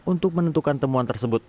untuk menentukan temuan tersebut